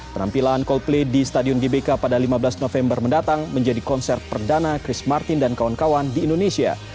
penampilan coldplay di stadion gbk pada lima belas november mendatang menjadi konser perdana chris martin dan kawan kawan di indonesia